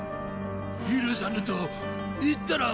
許さぬと言ったら。